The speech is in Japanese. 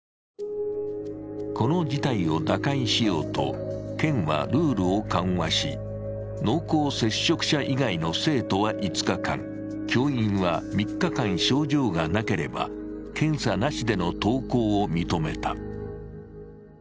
この事態を打開しようと県はルールを緩和し、濃厚接触者以外の生徒は５日間教員は３日間症状がなければ検査なしでの登校を認めた。